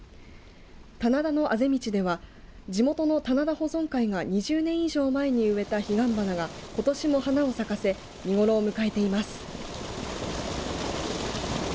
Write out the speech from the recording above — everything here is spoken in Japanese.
棚田のあぜ道では地元の棚田保存会が２０年以上前に植えた彼岸花がことしも花を咲かせ見頃を迎えています。